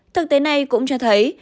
thực tế này cũng cho thấy